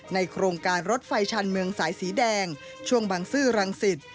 โครงการรถไฟชันเมืองสายสีแดงช่วงบังซื้อรังสิต